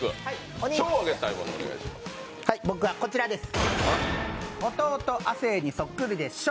僕はこちらです。